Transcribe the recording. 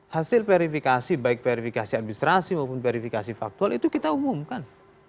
hasil verifikasi baik verifikasi administrasi maupun verifikasi faktual itu kita umumkan